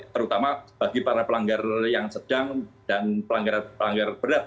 terutama bagi para pelanggar yang sedang dan pelanggaran berat